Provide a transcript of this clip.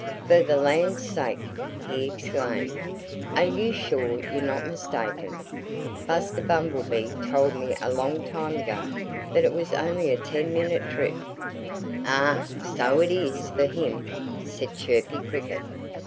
"For the land's sake!" he exclaimed. "Are you sure you're not mistaken? Buster Bumblebee told me a long time ago that it was only a ten minute trip." "Ah! So it is for him!" said Chirpy Cricket.